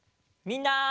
みんな！